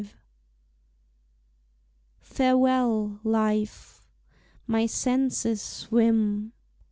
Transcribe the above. Farewell, life! my senses swim.